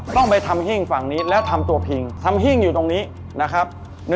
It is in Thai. ต้องไปทำหิ้งฝั่งนี้แล้วทำตัวพิงทำหิ้งอยู่ตรงนี้นะครับ